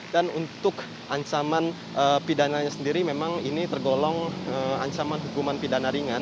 dan untuk ancaman pidana sendiri memang ini tergolong ancaman hukuman pidana ringan